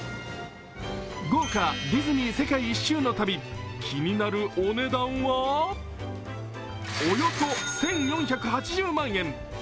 豪華なディズニー世界一周の旅気になるお値段は、およそ１４８０万円。